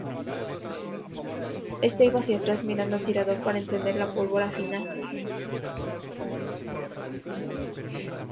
Esta iba hacia atrás, mirando al tirador, para encender la pólvora fina.